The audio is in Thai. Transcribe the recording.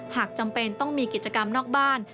จำเป็นต้องมีกิจกรรมนอกบ้าน